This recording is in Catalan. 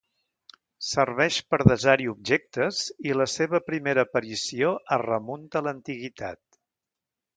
Serveix per desar-hi objectes i la seva primera aparició es remunta a l'Antiguitat.